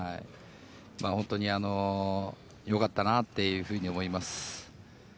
本当に良かったなっていうふうに思います。